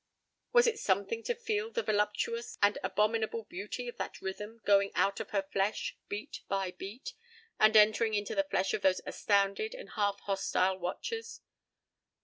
Was it something to feel the voluptuous and abominable beauty of that rhythm going out of her flesh, beat by beat, and entering into the flesh of those astounded and half hostile watchers?